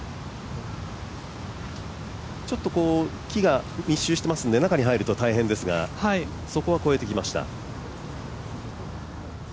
ちょっと木が密集していますので、中に入ると大変ですがそこは越えてきました。